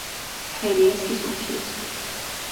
ХӀерейслис укес.